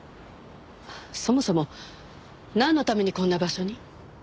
そもそもなんのためにこんな場所に？